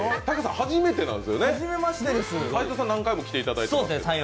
初めてなんですよね、斎藤さんは何回も来ていただいていますが。